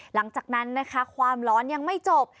หลังจากนั้นนะคะความร้อนยังไม่จบ